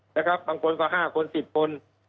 และครับบางคนก็๕คน๑๐คน